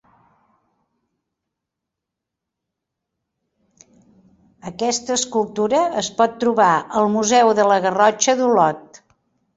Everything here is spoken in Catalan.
Aquesta escultura es pot trobar al Museu de la Garrotxa d'Olot.